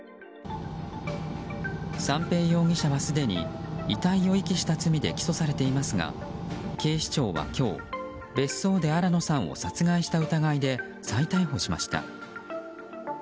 三瓶容疑者はすでに遺体を遺棄した罪で起訴されていますが警視庁は今日別荘で新野さんを殺害した疑いで再逮捕しました。